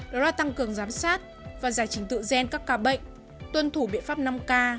đó là tăng cường giám sát và giải trình tự gen các ca bệnh tuân thủ biện pháp năm k